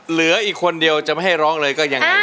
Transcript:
เหลืออีกคนเดียวจะไม่ให้ร้องเลยก็ยังไง